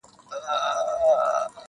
د بدي خبري سل کاله عمر وي -